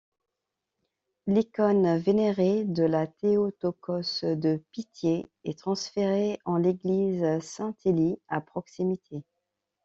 L'icône vénérée de la Théotokos de Pitié est transférée en l'église Saint-Élie à proximité.